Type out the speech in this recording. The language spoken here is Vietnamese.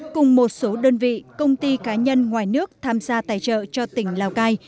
cùng một số đơn vị công ty cá nhân ngoài nước tham gia tài trợ cho tỉnh lào cai